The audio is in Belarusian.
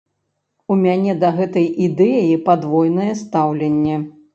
У мяне да гэтай ідэі падвойнае стаўленне.